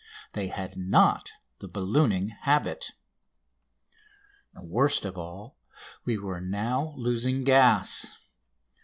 They had not the ballooning habit. Worst of all, we were now losing gas.